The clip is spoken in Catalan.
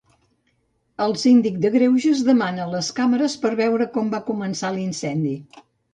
El síndic de greuges demana les càmeres per veure com va començar l'incendi.